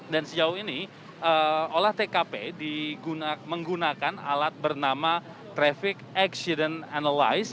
dan sejauh ini olah tkp menggunakan alat bernama traffic accident analyze